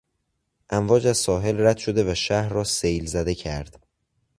امواج از ساحل رد شده و شهر را سیل زده کرد.